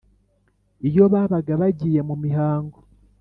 iyo babaga bagiye mu mihango.